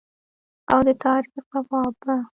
او د تاریخ ځواب به